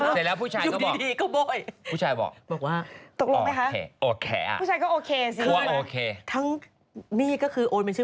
เสร็จแล้วผู้ชายก็บอกอยู่ดีก็โบ่ย